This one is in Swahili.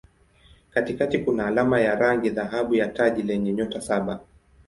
Katikati kuna alama ya rangi dhahabu ya taji lenye nyota saba.